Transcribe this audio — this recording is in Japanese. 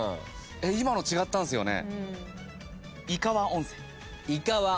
今の違ったんすよね。